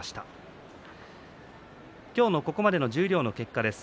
今日のここまでの十両の結果です。